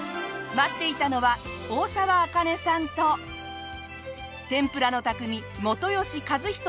待っていたのは大沢あかねさんと天ぷらの匠元吉和仁シェフでした。